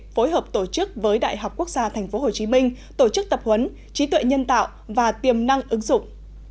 phối hợp tổ chức với đại học quốc gia tp hcm tổ chức tập huấn trí tuệ nhân tạo và tiềm năng ứng dụng